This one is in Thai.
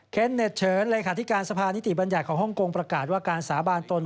เคนท์เน็ตเชิญเลยค่ะที่การสภานิติบัญญาติของฮ่องกงประกาศว่าการสาบานตน